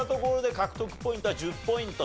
獲得ポイントは１０ポイントと。